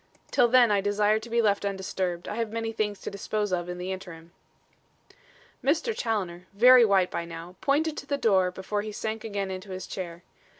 Till then I desire to be left undisturbed. I have many things to dispose of in the interim." Mr. Challoner, very white by now, pointed to the door before he sank again into his chair.